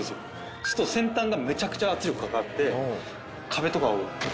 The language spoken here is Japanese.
そうすると先端がめちゃくちゃ圧力かかって。